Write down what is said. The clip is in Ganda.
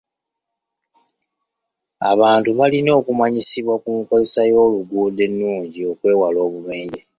Abantu balina okumanyisibwa ku nkozesa y'oluguudo ennungi okwewala obubenje.